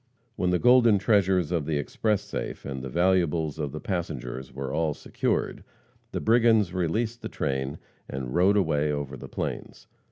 When the golden treasures of the express safe, and the valuables of the passengers were all secured, the brigands released the train and rode away over the plains.